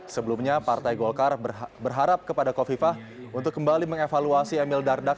sebelumnya partai golkar berharap kepada kofifah untuk kembali mengevaluasi emil dardak